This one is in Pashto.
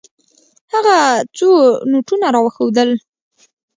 هغه څو نوټونه راوښودل.